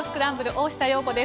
大下容子です。